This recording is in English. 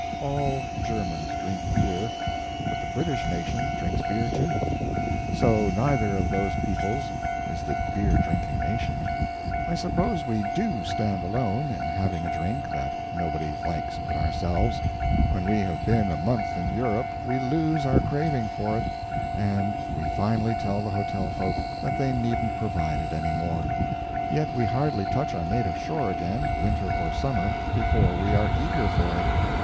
All Germans drink beer, but the British nation drinks beer, too; so neither of those peoples is the beer drinking nation. I suppose we do stand alone in having a drink that nobody likes but ourselves. When we have been a month in Europe we lose our craving for it, and we finally tell the hotel folk that they needn't provide it any more. Yet we hardly touch our native shore again, winter or summer, before we are eager for it.